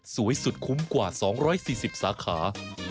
สวยสุดคุ้มกว่า๒๔๐สาขา